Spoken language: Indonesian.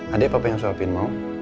ada apa yang papa suapin mau